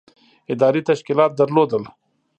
ادارې تشکیلات درلودل.